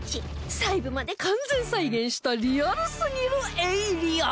細部まで完全再現したリアルすぎるエイリアン